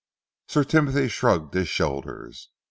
Sir Timothy shrugged his shoulders.